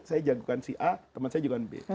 saya jago si a teman saya jago si b